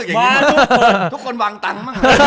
ว่าจะรู้สึกอย่างนี้มั้ง